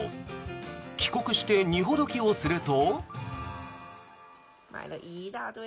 帰国して、荷ほどきをすると。